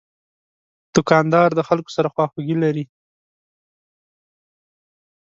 دوکاندار د خلکو سره خواخوږي لري.